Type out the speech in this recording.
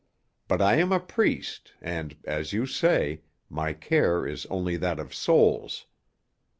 But I am a priest, and, as you say, my care is only that of souls.